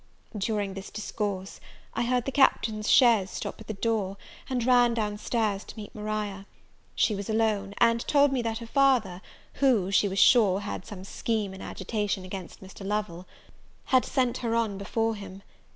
During this discourse, I heard the Captain's chaise stop at the door, and ran downstairs to meet Maria. She was alone, and told me that her father, who, she was sure, had some scheme in agitation against Mr. Lovel, had sent her on before him.